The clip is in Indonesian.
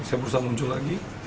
saya berusaha muncul lagi